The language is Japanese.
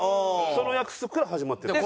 その約束から始まってる。